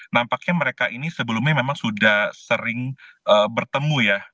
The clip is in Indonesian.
nampaknya mereka ini sebelumnya memang sudah sering bertemu ya